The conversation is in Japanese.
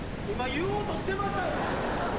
今言おうとしてましたよ。